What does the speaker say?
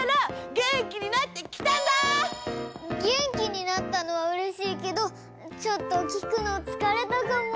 げんきになったのはうれしいけどちょっときくのつかれたかも。